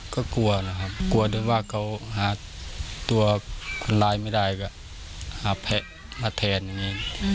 ก็กลัวนะครับกลัวด้วยว่าเขาหาตัวคนร้ายไม่ได้แบบหาแพะมาแทนอย่างนี้